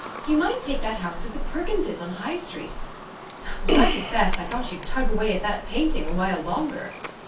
You might take that house of the Perkinses on High Street. But I confess, I thought you'd tug away at that painting a while longer."